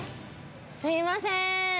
すいません。